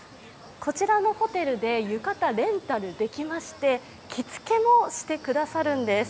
こちらのホテルで浴衣レンタルできまして、着付けもしてくださるんです。